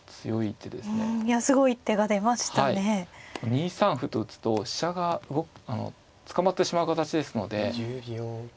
２三歩と打つと飛車が捕まってしまう形ですので。